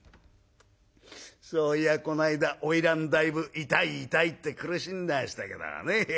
そういやこないだ花魁だいぶ痛い痛いって苦しんでましたからね。